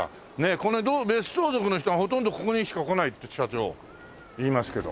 この辺どう別荘族の人はほとんどここにしか来ないって社長言いますけど。